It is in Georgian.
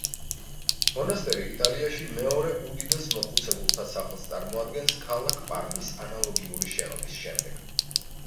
მონასტერი იტალიაში მეორე უდიდეს მოხუცებულთა სახლს წარმოადგენს ქალაქ პარმის ანალოგიური შენობის შემდეგ.